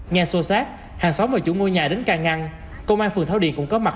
nghe sô sát hàng xóm và chủ ngôi nhà đến cai ngăn công an phường thảo điền cũng có mặt